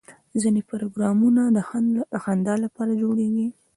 ځینې پروګرامونه د خندا لپاره جوړېږي.